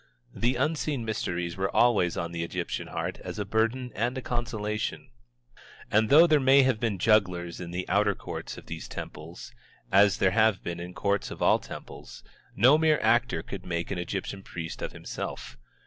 The unseen mysteries were always on the Egyptian heart as a burden and a consolation, and though there may have been jugglers in the outer courts of these temples, as there have been in the courts of all temples, no mere actor could make an Egyptian priest of himself.